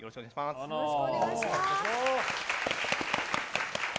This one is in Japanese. よろしくお願いします。